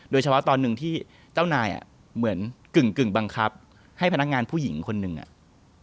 โดยเฉพาะตอนหนึ่งที่เจ้านายอ่ะเหมือนกึ่งบังคับให้พนักงานผู้หญิงคนหนึ่งอ่ะ